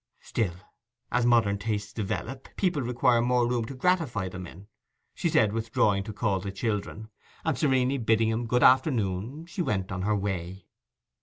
'Still, as modern tastes develop, people require more room to gratify them in,' she said, withdrawing to call the children; and serenely bidding him good afternoon she went on her way.